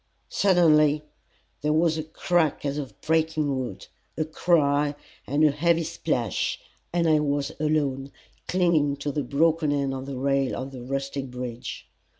Suddenly there was a crack as of breaking wood, a cry and a heavy splash, and I was alone, clinging to the broken end of the rail of the rustic bridge.